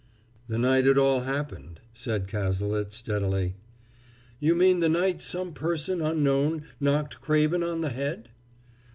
"The night it all happened," said Cazalet steadily. "You mean the night some person unknown knocked Craven on the head?"